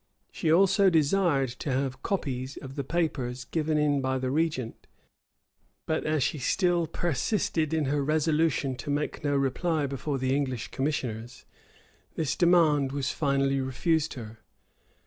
[] She also desired to have copies of the papers given in by the regent; but as she still persisted in her resolution to make no reply before the English commissioners, this demand was finally refused her.